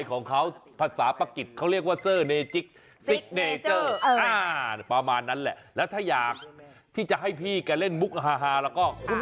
คิดสิคิดสิคิดสิคิดสิคิดสิคิดสิคิดสิคิดสิ